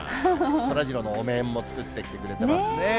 そらジローのお面も作ってきてくれてますね。